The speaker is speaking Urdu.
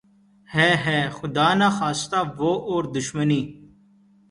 ھے ھے! خدا نخواستہ وہ اور دشمنی